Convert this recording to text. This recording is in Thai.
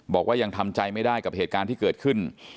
บอกว่ายังทำใจไม่ได้กับเหตุการณ์ที่เกิดขึ้น